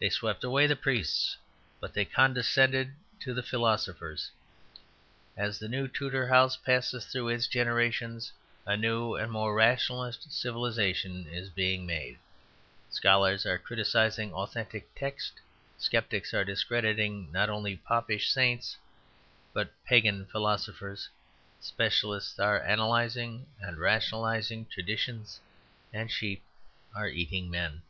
They swept away the priests, but they condescended to the philosophers. As the new Tudor house passes through its generations a new and more rationalist civilization is being made; scholars are criticizing authentic texts; sceptics are discrediting not only popish saints but pagan philosophers; specialists are analyzing and rationalizing traditions, and sheep are eating men.